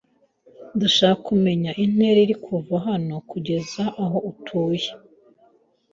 Ndashaka kumenya intera iri kuva hano kugeza aho utuye.